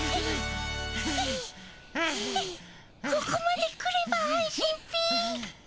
ここまで来れば安心っピ。